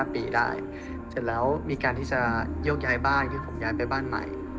๕ปีได้เสร็จแล้วมีการที่จะโยกย้ายบ้านคือผมย้ายไปบ้านใหม่